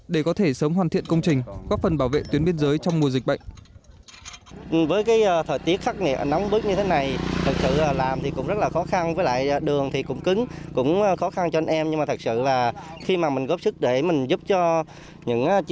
để có thể sớm hoàn thiện công trình góp phần bảo vệ tuyến biên giới trong mùa dịch bệnh